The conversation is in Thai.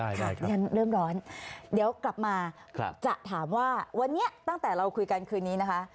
ฉันเริ่มร้อนเดี๋ยวกลับมาจะถามว่าวันนี้ตั้งแต่เราคุยกันคืนนี้นะคะ